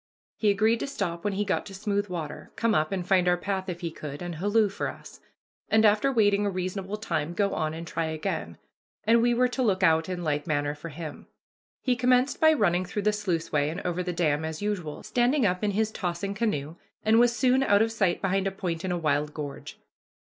He agreed to stop when he got to smooth water, come up and find our path if he could, and halloo for us, and after waiting a reasonable time go on and try again and we were to look out in like manner for him. He commenced by running through the sluiceway and over the dam, as usual, standing up in his tossing canoe, and was soon out of sight behind a point in a wild gorge.